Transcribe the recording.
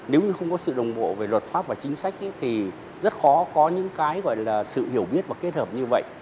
nếu như không có sự đồng bộ về luật pháp và chính sách thì rất khó có những cái gọi là sự hiểu biết và kết hợp như vậy